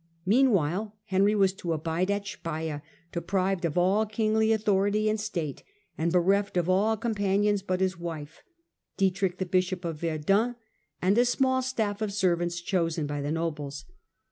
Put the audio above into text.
Meanwhile, Henry was to abide at Speier, deprived of all kingly authority and state, and bereft of all companions but his wife, Dietrich the bishop of Verdun, and a small staff of servants chosen by the nobles.